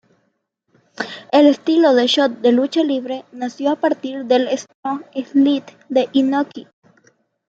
El estilo Shoot de lucha libre nació a partir del "strong-style" de Inoki.